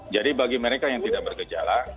jadi bagi mereka yang tidak bergejala